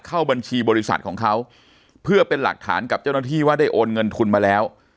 เข้าบัญชีบริษัทของเขาเพื่อเป็นหลักฐานกับเจ้าหน้าที่ว่าได้โอนเงินทุนมาแล้ว